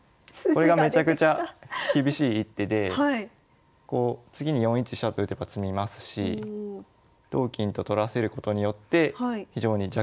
これがめちゃくちゃ厳しい一手でこう次に４一飛車と打てば詰みますし同金と取らせることによって非常に弱体化させられる。